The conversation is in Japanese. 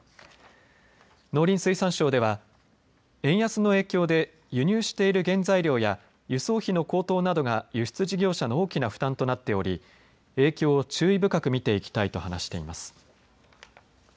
農林水産省では円安の影響で輸入している原材料や輸送費の高騰などが輸出事業者の大きな負担となっており影響を注意深く見ていきたいと話しています。